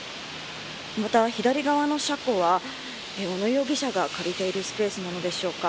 また、左側の車庫は小野容疑者が借りているスペースなのでしょうか。